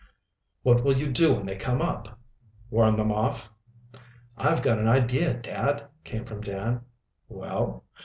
"What will you do when they come up?" "Warn them off." "I've got an idea, dad," came from Dan. "Well?"